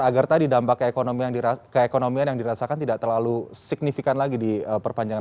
agar tadi dampak keekonomian yang dirasakan tidak terlalu signifikan lagi di perpanjangan